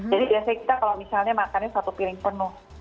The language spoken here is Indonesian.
jadi biasanya kita kalau misalnya makannya satu piring penuh